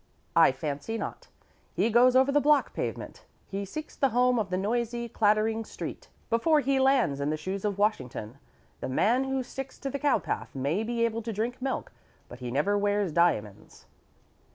I fancy not. He goes over the block pavement. He seeks the home of the noisy, clattering street before he lands in the shoes of Washington. The man who sticks to the cowpath may be able to drink milk, but he never wears diamonds."